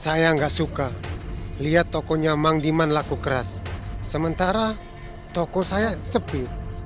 saya enggak suka lihat tokonya mangdiman laku keras sementara toko saya sepi